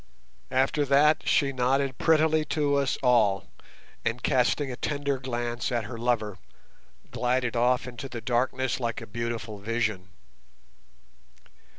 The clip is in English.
After that she nodded prettily to us all, and casting a tender glance at her lover, glided off into the darkness like a beautiful vision.